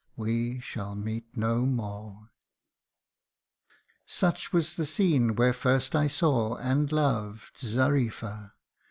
we shall meet no more !'" Such was the scene where first I saw and loved Xarifa.